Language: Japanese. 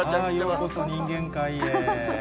ようこそ人間界へ。